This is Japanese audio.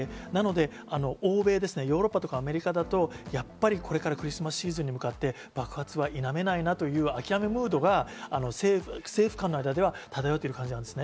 なので欧米、ヨーロッパとかアメリカだとやっぱりこれからクリスマスシーズンに向かって爆発は否めないなという諦めムードが政府間の間では漂ってる感じですね。